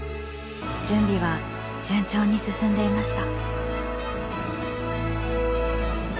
準備は順調に進んでいました。